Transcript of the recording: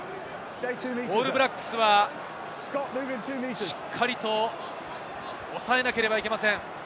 オールブラックスはしっかりと抑えなければいけません。